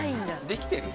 できてる？